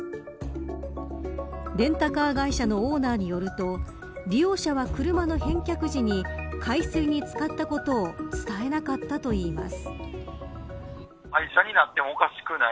レンタカー会社のオーナーによると利用者は車の返却時に海水に漬かったことを伝えなかったといいます。